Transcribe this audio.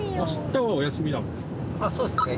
そうですね。